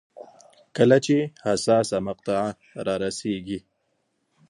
کله چې حساسه مقطعه رارسېږي.